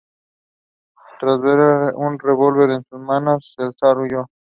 Tras ver un revólver en sus manos, el zar huyó.